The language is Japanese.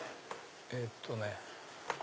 えっとね。